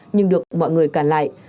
nhưng được mọi người cản lại